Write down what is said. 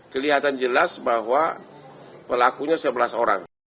kelihatan jelas bahwa pelakunya sebelas orang